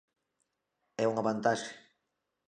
E unha vantaxe.